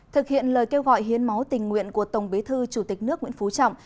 thực hiện lời kêu gọi hiến máu tình nguyện của tổng bế thư chủ tịch nước nguyễn phú trọng